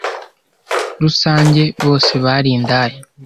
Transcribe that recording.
Rusange Bose bari Indaya